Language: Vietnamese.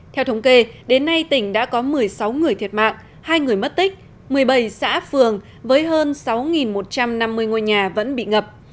theo thống kê đến nay tỉnh đã có một mươi sáu người thiệt mạng hai người mất tích một mươi bảy xã phường với hơn sáu một trăm năm mươi ngôi nhà vẫn bị ngập